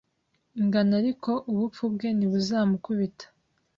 ingano ariko ubupfu bwe ntibuzamukubita